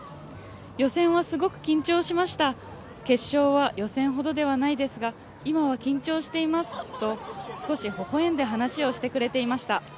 予選はすごく緊張しました、決勝は予選ほどではないですが、今も緊張していますと、少しほほえんで話をしてくれていました。